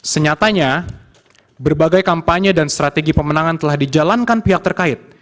senyatanya berbagai kampanye dan strategi pemenangan telah dijalankan pihak terkait